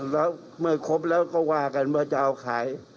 แล้วเมื่อครบแล้วก็ว่ากันว่าจะเอาขาย